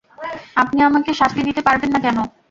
আপনি আমাকে শাস্তি দিতে পারবেন না কেন?